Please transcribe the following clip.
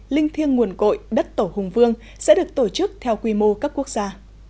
linh thiêng nguồn cội đất tổ hùng vương sẽ được tổ chức theo quy mô cấp quốc gia